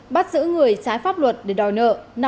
bắt giữ người trái pháp luật để đòi nợ